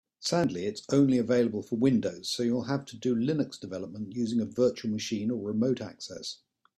Sadly, it's only available for Windows, so you'll have to do Linux development using a virtual machine or remote access.